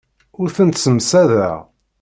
Ur tent-ssemsadeɣ.